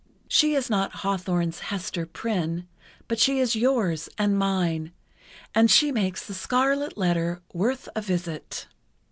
She is not Hawthorne's Hester Prynne, but she is yours and mine, and she makes 'The Scarlet Letter' worth a visit.